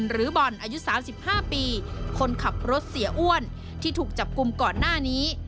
หรือบอลอายุ๓๕ปีคนขับรถเสียอ้วนที่ถูกจับกลุ่มก่อนหน้านี้